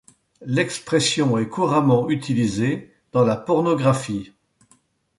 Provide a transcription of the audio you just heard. L'expression est couramment utilisée dans la pornographie.